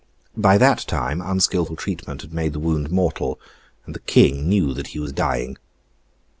By that time unskilful treatment had made the wound mortal and the King knew that he was dying.